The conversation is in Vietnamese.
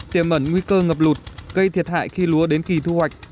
tiềm ẩn nguy cơ ngập lụt gây thiệt hại khi lúa đến kỳ thu hoạch